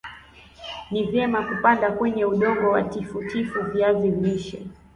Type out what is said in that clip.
Ni vyema kupanda kwenye udongo wa tifutifu viazi lishe